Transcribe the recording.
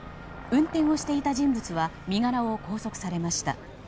運転をしていた人物は身柄を拘束されました。